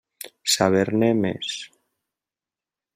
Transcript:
Saber-ne més.